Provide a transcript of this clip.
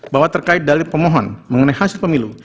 bahwa terkait dalil pemohon mengenai hasil pemilu